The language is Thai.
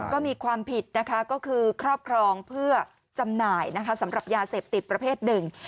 ก็มีความผิดนะคะก็คือครอบครองเพื่อจำหน่ายนะคะสำหรับยาเสพติดประเภทหนึ่ง